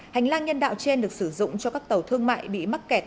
hành lang nhân đạo trên được sử dụng cho các tàu thương mại bị mắc kẹt